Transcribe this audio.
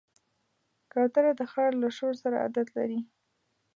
کوتره د ښار له شور سره عادت لري.